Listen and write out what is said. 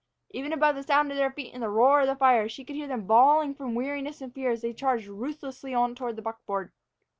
Even above the sound of their feet and the roar of the fire, she could hear them bawling from weariness and fear as they charged ruthlessly on toward the buckboard.